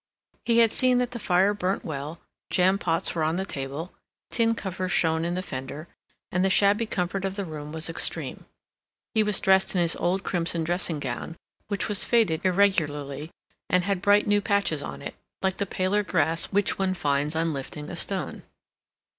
He had seen that the fire burnt well; jam pots were on the table, tin covers shone in the fender, and the shabby comfort of the room was extreme. He was dressed in his old crimson dressing gown, which was faded irregularly, and had bright new patches on it, like the paler grass which one finds on lifting a stone.